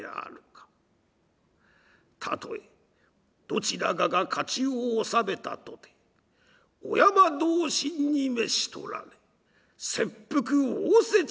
たとえどちらかが勝ちを収めたとてお山同心に召し捕られ切腹仰せつけあるは必定。